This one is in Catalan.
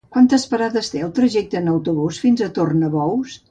Quantes parades té el trajecte en autobús fins a Tornabous?